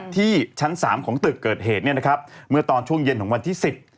ที่ชั้น๓ของตึกเกิดเหตุเมื่อตอนช่วงเย็นของวันที่๑๐